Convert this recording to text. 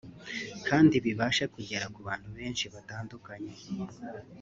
kandi bibashe kugera ku bantu benshi batandukanye